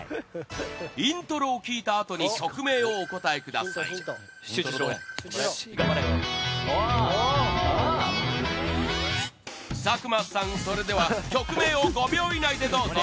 イントロを聴いたあとに曲名をお答えください佐久間さん、それでは曲名を５秒以内でどうぞ！